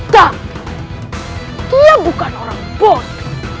tapi dia bukan orang bodoh